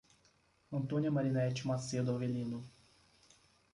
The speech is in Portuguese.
Antônia Marinete Macedo Avelino